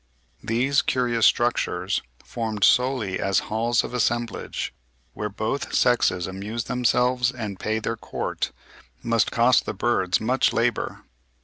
These curious structures, formed solely as halls of assemblage, where both sexes amuse themselves and pay their court, must cost the birds much labour.